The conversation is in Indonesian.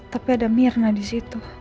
tapi ada mirna disitu